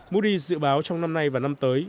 moody s dự báo trong năm nay và năm tới